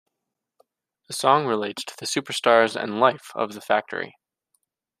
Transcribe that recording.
The song relates to the superstars and life of the Factory.